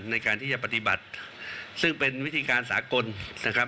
ในการที่จะปฏิบัติซึ่งเป็นวิธีการสากลนะครับ